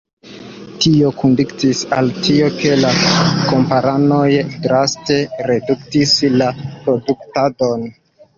Tio kondukis al tio, ke la kamparanoj draste reduktis la produktadon.